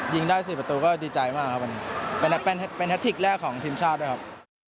ยิงได้๔ประตูก็ดีใจมากครับเป็นแฮทิกแรกของทีมชาติด้วยครับ